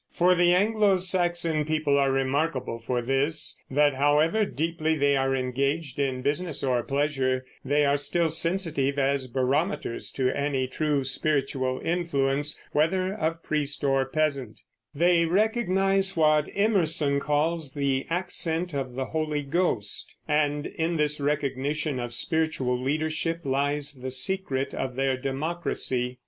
For the Anglo Saxon people are remarkable for this, that however deeply they are engaged in business or pleasure, they are still sensitive as barometers to any true spiritual influence, whether of priest or peasant; they recognize what Emerson calls the "accent of the Holy Ghost," and in this recognition of spiritual leadership lies the secret of their democracy.